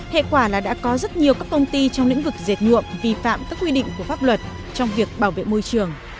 hệ quả là đã có rất nhiều các công ty trong lĩnh vực dệt nhuộm vi phạm các quy định của pháp luật trong việc bảo vệ môi trường